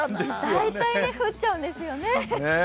大体降っちゃうんですよね。